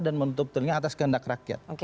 dan menutup telinga atas kehendak rakyat